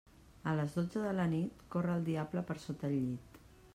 A les dotze de la nit, corre el diable per sota el llit.